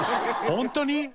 本当に？